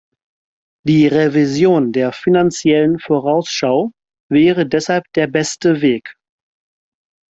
Die Revision der Finanziellen Vorausschau wäre deshalb der beste Weg.